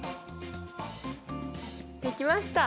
できました！